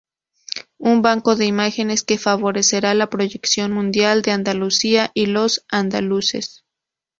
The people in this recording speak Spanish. Un banco de imágenes que favorecerá la proyección mundial de Andalucía y los andaluces.